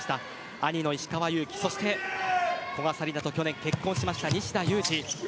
兄の石川祐希そして古賀紗理那と去年結婚した西田有志。